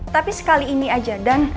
tapi sekali ini aja dan